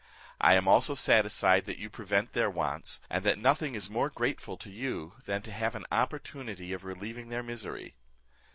I am also satisfied that you prevent their wants, and that nothing is more grateful to you, than to have an opportunity of relieving their misery."